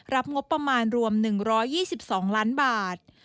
รับงบประมาณรวม๑๒๒ล้านบาท